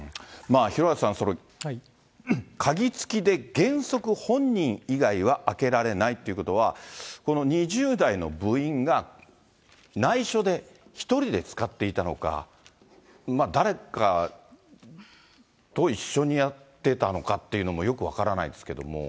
廣畑さん、その鍵付きで原則、本人以外は開けられないということは、この２０代の部員がないしょで、１人で使っていたのか、誰かと一緒にやってたのかというのも、よく分からないですけども。